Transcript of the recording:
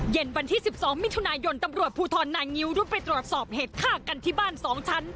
เย็นวันที่๑๒มิถุนายนตำรวจภูทรนางงิ้วรุดไปตรวจสอบเหตุฆ่ากันที่บ้าน๒ชั้น